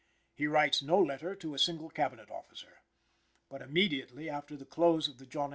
He writes no letter to a single Cabinet officer. But, immediately after the close of the John H.